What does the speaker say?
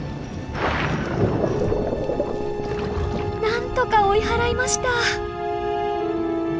なんとか追い払いました。